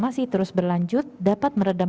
masih terus berlanjut dapat meredam